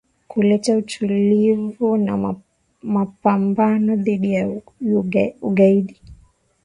kuleta utulivu na mapambano dhidi ya ugaidi